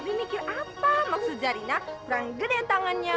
di mikir apa maksud zarina kurang gede tangannya